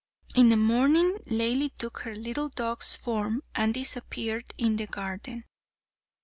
In the morning Laili took her little dog's form, and disappeared in the garden.